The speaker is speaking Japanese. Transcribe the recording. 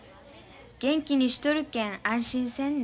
元気にしとるけん安心せんね。